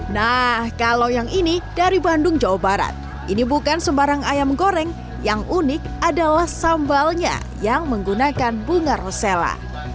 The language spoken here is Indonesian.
nah kalau yang ini dari bandung jawa barat ini bukan sembarang ayam goreng yang unik adalah sambalnya yang menggunakan bunga rosella